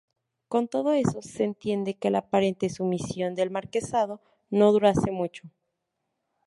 Con todo eso, se entiende que la aparente sumisión del marquesado no durase mucho.